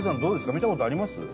見た事あります？